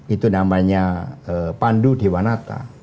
itu namanya pandu dewanata